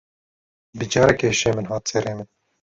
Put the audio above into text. Bi carekê hişê min hate serê min.